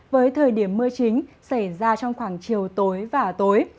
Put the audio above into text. với thời điểm mưa chính xảy ra trong khoảng chiều tối và tối